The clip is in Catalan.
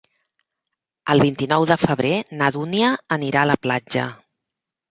El vint-i-nou de febrer na Dúnia anirà a la platja.